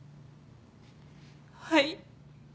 はい。